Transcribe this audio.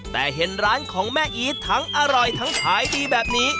แต่เห็นร้านของแม่อีททั้งอร่อยทั้งขายดีแบบนี้